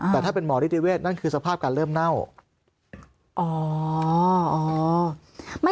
แต่ถ้าเป็นหมอนิติเวศนั่นคือสภาพการเริ่มเน่า